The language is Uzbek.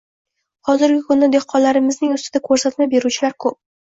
Hozirgi kunda dehqonlarimizning ustida ko‘rsatma beruvchilar ko‘p.